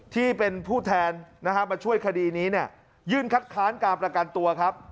ที่เป็นผู้แทนนะฮะมาช่วยคดีนี้เนี่ยยื่นคัดค้านการประกันตัวครับ